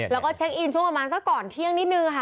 แล้วก็เช็คอินช่วงประมาณสักก่อนเที่ยงนิดนึงค่ะ